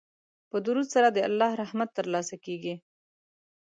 په درود سره د الله رحمت ترلاسه کیږي.